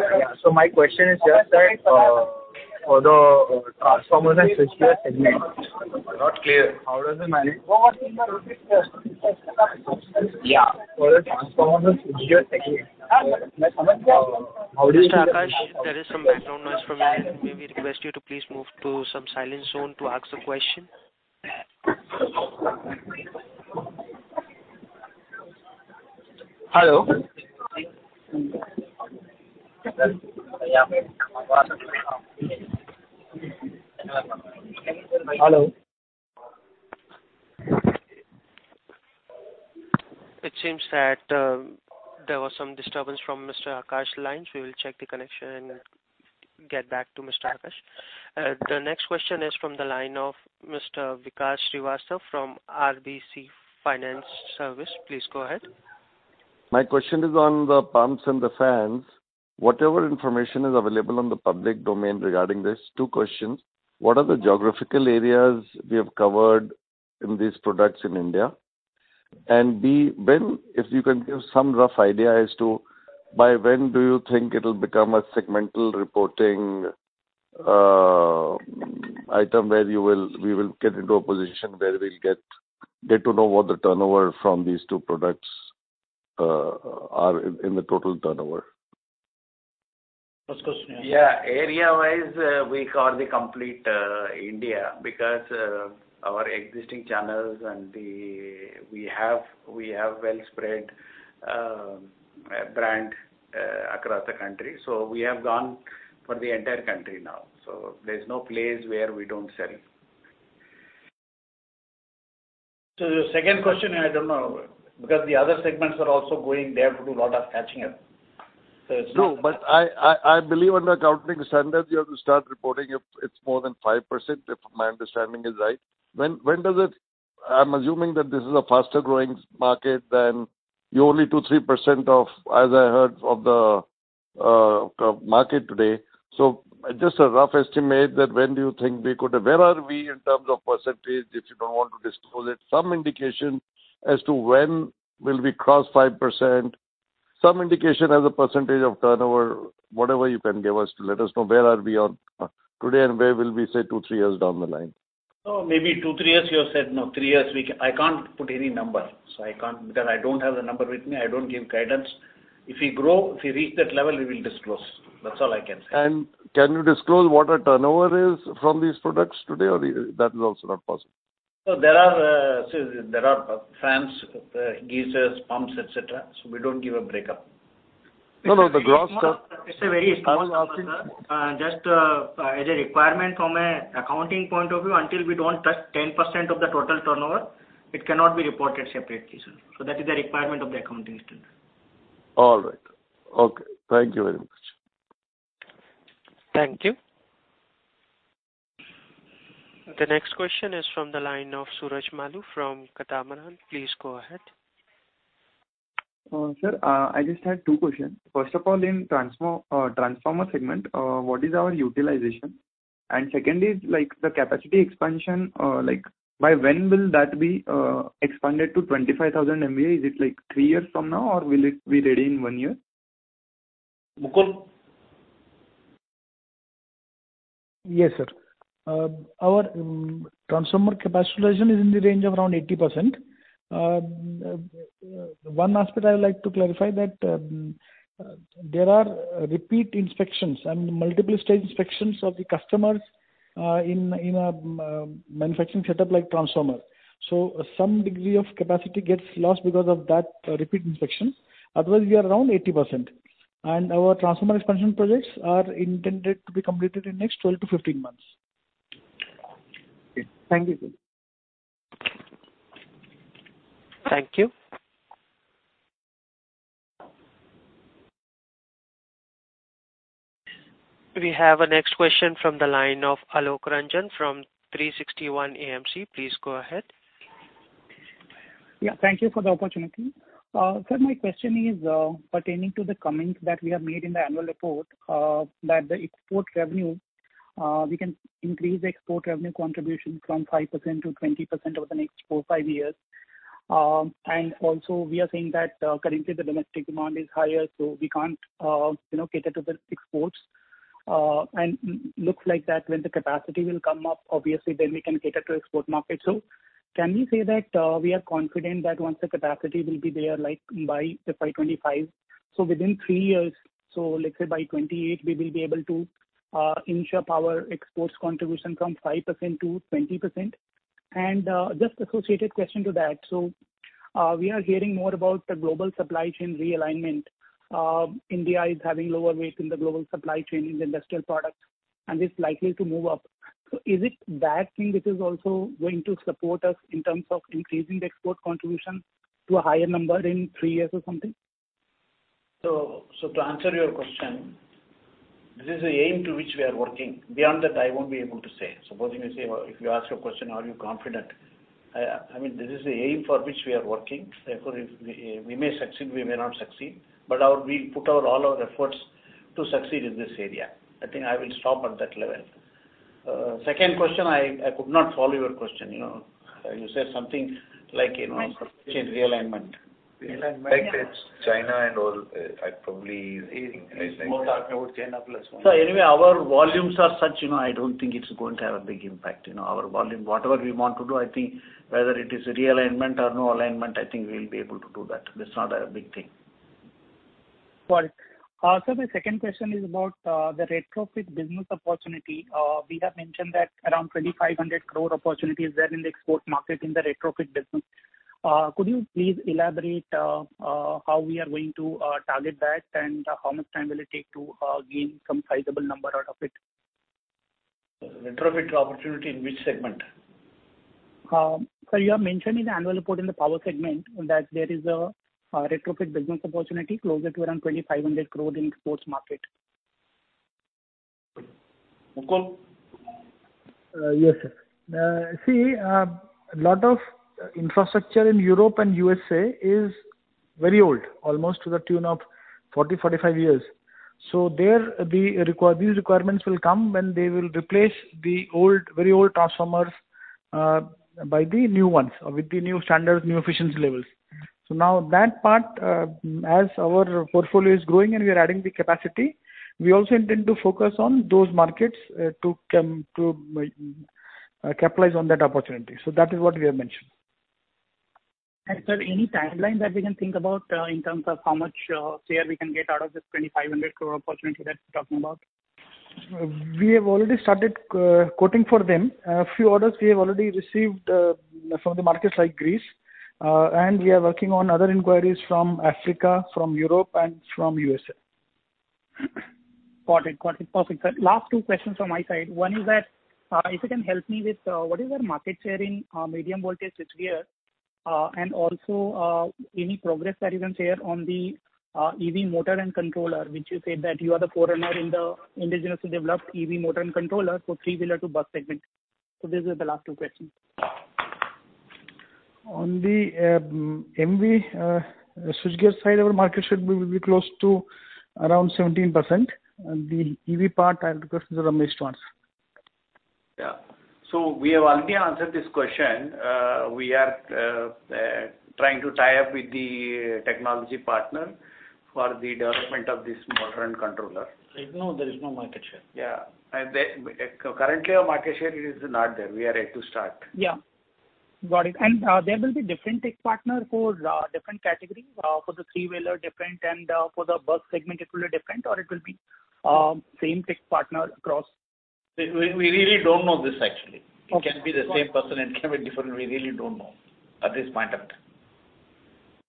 My question is just that, for the transformer and switchgear segment, not clear, how does it manage? Mr. Akash, there is some background noise from your end. May we request you to please move to some silent zone to ask the question? Hello? Hello. It seems that there was some disturbance from Akash lines. We will check the connection and get back to Akash. The next question is from the line of Vikas Srivastava from RBC Finance Service. Please go ahead. My question is on the pumps and the fans. Whatever information is available on the public domain regarding this, two questions: What are the geographical areas we have covered in these products in India? B, when, if you can give some rough idea as to by when do you think it will become a segmental reporting item, where we will get into a position where we'll get to know what the turnover from these two products are in the total turnover? First question. Yeah. Area-wise, we call the complete India, because our existing channels and the. We have well spread brand across the country, so we have gone for the entire country now, so there's no place where we don't sell. The second question, I don't know, because the other segments are also going, they have to do a lot of catching up. No, I believe under accounting standards, you have to start reporting if it's more than 5%, if my understanding is right. I'm assuming that this is a faster growing market than you're only 2%, 3% of, as I heard, of the market today. Just a rough estimate that when do you think we could have, where are we in terms of percentage, if you don't want to disclose it? Some indication as to when will we cross 5%, some indication as a percentage of turnover, whatever you can give us to let us know where are we on today and where will we say 2, 3 years down the line. Oh, maybe 2, 3 years, you have said now 3 years. I can't put any number, so I can't, because I don't have the number with me. I don't give guidance. If we grow, if we reach that level, we will disclose. That's all I can say. Can you disclose what our turnover is from these products today, or that is also not possible? There are fans, geysers, pumps, et cetera, so we don't give a breakup. No. It's a very small, sir. Just, as a requirement from a accounting point of view, until we don't touch 10% of the total turnover, it cannot be reported separately, sir. That is the requirement of the accounting standard. All right. Okay, thank you very much. Thank you. The next question is from the line of Suraj Malu from Catamaran. Please go ahead. sir, I just had 2 questions. First of all, in transformer, transformer segment, what is our utilization? Secondly, like, the capacity expansion, like, by when will that be, expanded to 25,000 MVA? Is it, like, 3 years from now, or will it be ready in 1 year? Mukul? Yes, sir. Our transformer capacitization is in the range of around 80%. One aspect I would like to clarify that there are repeat inspections and multiple stage inspections of the customers in a manufacturing setup like transformer. Some degree of capacity gets lost because of that repeat inspection. Otherwise, we are around 80%. Our transformer expansion projects are intended to be completed in next 12-15 months. Thank you. Thank you. We have a next question from the line of Alok Ranjan from 360 ONE AMC. Please go ahead. Thank you for the opportunity. Sir, my question is pertaining to the comment that we have made in the annual report, that the export revenue, we can increase the export revenue contribution from 5% to 20% over the next 4-5 years. Also, we are saying that currently the domestic demand is higher, so we can't, you know, cater to the exports. Looks like that when the capacity will come up, obviously, then we can cater to export market. Can we say that we are confident that once the capacity will be there, like by the FY 25, so within 3 years, so let's say by 28, we will be able to ensure our exports contribution from 5% to 20%? Just associated question to that: we are hearing more about the global supply chain realignment. India is having lower weight in the global supply chain in the industrial products, and it's likely to move up. Is it that thing which is also going to support us in terms of increasing the export contribution to a higher number in three years or something? To answer your question, this is the aim to which we are working. Beyond that, I won't be able to say. Supposing you say, if you ask a question, are you confident? I mean, this is the aim for which we are working. If we may succeed, we may not succeed, but we put out all our efforts to succeed in this area. I think I will stop at that level. Second question, I could not follow your question, you know. You said something like, you know, change realignment. Realignment, it's China and all, He's more talking about China Plus One. Sir, anyway, our volumes are such, you know, I don't think it's going to have a big impact. You know, our volume, whatever we want to do, I think whether it is realignment or no alignment, I think we'll be able to do that. That's not a big thing. Got it. Sir, the second question is about the retrofit business opportunity. We have mentioned that around 2,500 crore opportunity is there in the export market in the retrofit business. Could you please elaborate, how we are going to target that? How much time will it take to gain some sizable number out of it? Retrofit opportunity in which segment? Sir, you have mentioned in the annual report in the power segment that there is a retrofit business opportunity closer to around 2,500 crore in exports market. Mukul? Yes, sir. See, a lot of infrastructure in Europe and USA is very old, almost to the tune of 40-45 years. There, these requirements will come when they will replace the old, very old transformers by the new ones, or with the new standards, new efficiency levels. Now that part, as our portfolio is growing and we are adding the capacity, we also intend to focus on those markets to capitalize on that opportunity. That is what we have mentioned. Sir, any timeline that we can think about, in terms of how much, share we can get out of this 2,500 crore opportunity that you're talking about? We have already started, quoting for them. A few orders we have already received, from the markets like Greece, and we are working on other inquiries from Africa, from Europe, and from USA. Got it. Perfect, sir. Last two questions from my side. One is that, if you can help me with, what is our market share in medium voltage switchgear, and also, any progress that you can share on the EV motor and controller, which you said that you are the forerunner in the indigenously developed EV motor and controller for three-wheeler to bus segment? These are the last two questions. On the MV switchgear side, our market share will be close to around 17%. The EV part, I'll request Ramesh to answer. Yeah. We have already answered this question. We are trying to tie up with the technology partner for the development of this motor and controller. Right now, there is no market share. Yeah. Currently our market share is not there. We are yet to start. Yeah. Got it. There will be different tech partner for different categories. For the three-wheeler, different, and for the bus segment, it will be different, or it will be same tech partner across? We really don't know this, actually. Okay. It can be the same person and can be different, we really don't know at this point of time.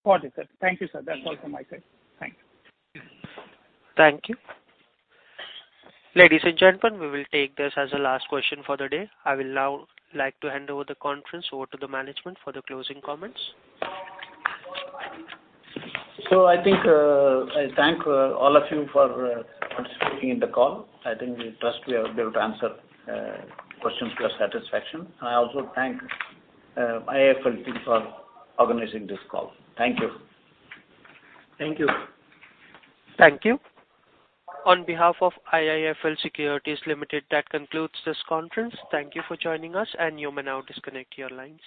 Got it, sir. Thank you, sir. That's all from my side. Thank you. Thank you. Ladies and gentlemen, we will take this as the last question for the day. I will now like to hand over the conference over to the management for the closing comments. I think, I thank all of you for participating in the call. I think we trust we have been able to answer questions to your satisfaction. I also thank IIFL team for organizing this call. Thank you. Thank you. Thank you. On behalf of IIFL Securities Limited, that concludes this conference. Thank you for joining us, and you may now disconnect your lines.